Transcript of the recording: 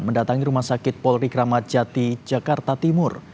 mendatangi rumah sakit polri kramat jati jakarta timur